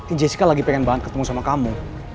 ini jessica lagi pengen banget ketemu sama kamu